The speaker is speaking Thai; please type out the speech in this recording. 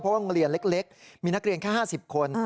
เพราะว่าโรงเรียนเล็กมีนักเรียนแค่๕๐คน